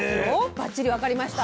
ばっちり分かりました。